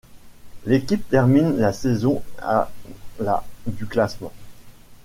L'équipe termine la saison à la du classement.